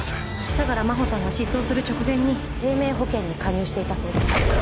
相良真帆さんが失踪する直前に生命保険に加入していたそうです。